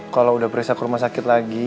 kalau udah beresak rumah sakit lagi